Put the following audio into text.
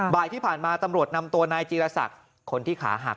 บ่ายที่ผ่านมาตำรวจนำตัวนายจีรศักดิ์คนที่ขาหัก